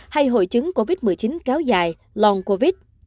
hay hội chứng covid một mươi chín kéo dài lon covid